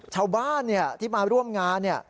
ชาวบ้านเนี่ยที่มาร่วมงานเนี่ย